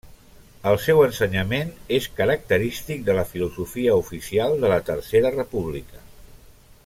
El seu ensenyament és característic de la filosofia oficial de la Tercera República.